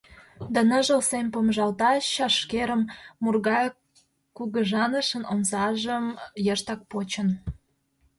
Да ныжыл сем помыжалта чашкерым, Мургайык кугыжанышын омсажым йыштак почын.